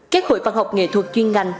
các hội văn học nghệ thuật chuyên ngành